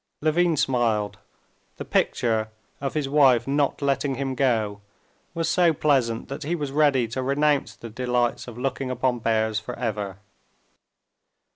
Levin smiled. The picture of his wife not letting him go was so pleasant that he was ready to renounce the delights of looking upon bears forever.